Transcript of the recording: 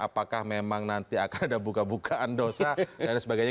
apakah memang nanti akan ada buka bukaan dosa dan sebagainya